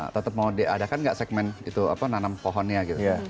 tetap mau diadakan nggak segmen nanam pohonnya gitu